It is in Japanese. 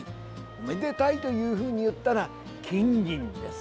おめでたいというふうに言ったら金銀です。